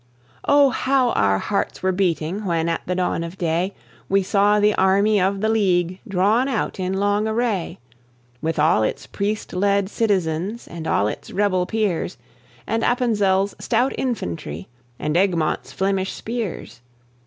Oh! how our hearts were beating, when, at the dawn of day, We saw the army of the League drawn out in long array; With all its priest led citizens, and all its rebel peers, And Appenzel's stout infantry, and Egmont's Flemish spears.